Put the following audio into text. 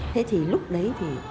thế thì lúc đấy